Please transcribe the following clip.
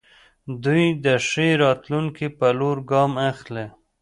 دوی د ښې راتلونکې په لور ګام اخلي.